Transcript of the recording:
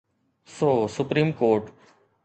So supreme court.